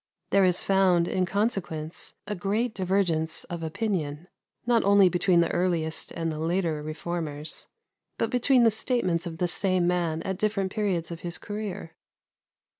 There is found, in consequence, a great divergence of opinion, not only between the earliest and the later Reformers, but between the statements of the same man at different periods of his career.